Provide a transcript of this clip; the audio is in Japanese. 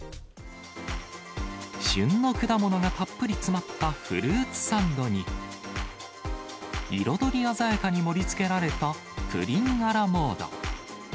旬の果物がたっぷり詰まったフルーツサンドに、彩り鮮やかに盛り付けられたプリンア・ラ・モード。